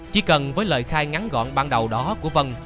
chỉ cần với lời khai ngắn gọn ban đầu đó của vân